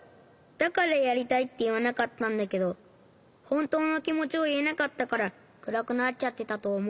だからやりたいっていわなかったんだけどほんとうのきもちをいえなかったからくらくなっちゃってたとおもう。